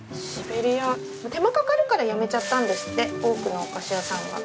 手間かかるからやめちゃったんですって多くのお菓子屋さんが。